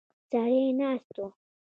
سړی ناست و.